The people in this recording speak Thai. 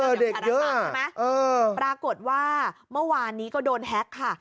เออเด็กเยอะพรากฏว่าเมื่อวานนี้ก็โดนแฮคค่ะ